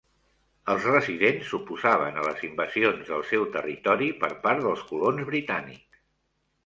Els residents s'oposaven a les invasions del seu territori per part dels colons britànics.